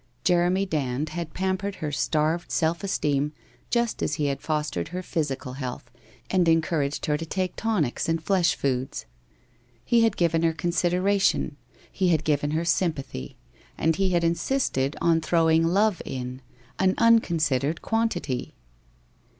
Jeremy Dand had pampered her starved self esteem just as he had fostered her physical health and encouraged her to take tonics and flesh foods. He had given her considera tion, he had given her sympathy and he had insisted on throwing love in, an unconsidered quantity.